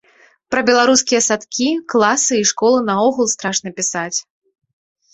Пра беларускія садкі, класы і школы наогул страшна пісаць.